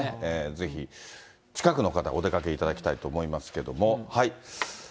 ぜひ近くの方、お出かけいただきたいと思いますけども。